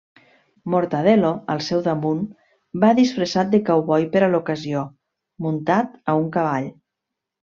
Mortadel·lo, al seu damunt, va disfressat de cowboy per a l'ocasió, muntat a un cavall.